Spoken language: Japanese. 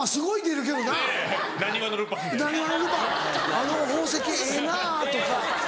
「あの宝石ええな」とか。